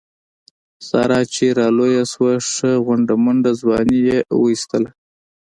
ساره چې را لویه شوله ښه غونډه منډه ځواني یې و ایستله.